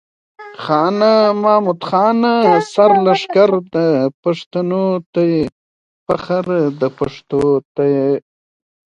يره د خوريانو خيرات کې يم کنه ولې ولې.